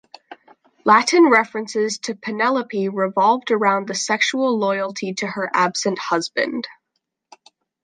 Latin references to Penelope revolved around the sexual loyalty to her absent husband.